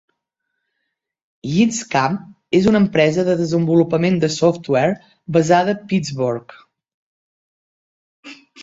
YinzCam és una empresa de desenvolupament de software basada Pittsburgh.